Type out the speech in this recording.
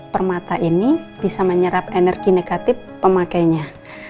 permata ini bisa menyerap energi negatif pemakainya